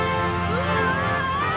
うわ！